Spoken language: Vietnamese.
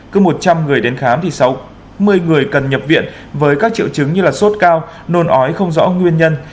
cứ một trăm linh người đến khám thì sáu mươi người cần nhập viện với các triệu chứng như sốt cao nôn ói không rõ nguyên nhân